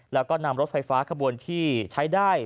แล้วก็นำรถไฟฟ้าขบวนที่ใช้ได้